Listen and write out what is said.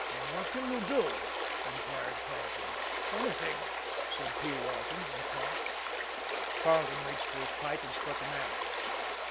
"What can you do?" inquired Carleton. "Anything," said P. Walton and coughed. Carleton reached for his pipe and struck a match.